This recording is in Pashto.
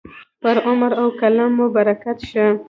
پر عمر او قلم مو برکت شه.